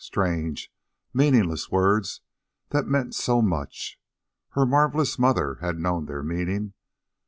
Strange, meaningless words that meant so much! Her marvelous mother had known their meaning.